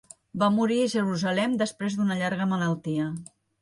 Va morir a Jerusalem després d'una llarga malaltia.